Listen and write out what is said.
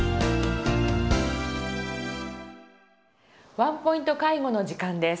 「ワンポイント介護」の時間です。